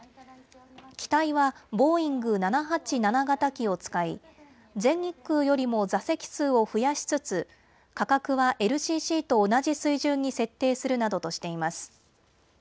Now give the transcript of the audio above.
機体はボーイング７８７型機を使い、全日空よりも座席数を増やしつつ価格はＬＣＣと同じ水準に設定するなどとしています。